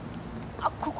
あっここ？